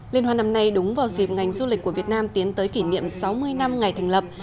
liên hoan năm nay đúng vào dịp ngành du lịch của việt nam tiến tới kỷ niệm sáu mươi năm ngày thành lập